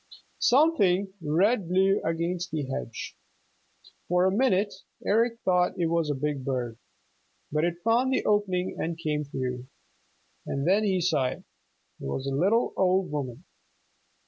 Something red blew against the hedge. For a minute Eric thought it was a big bird. But it found the opening and came through, and then he saw it was a little old woman.